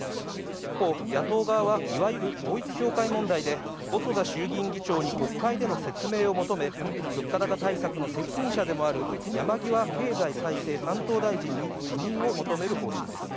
一方、野党側はいわゆる統一教会問題で、細田衆議院議長に国会での説明を求め、物価高対策の責任者でもある山際経済再生担当大臣に辞任を求める方針です。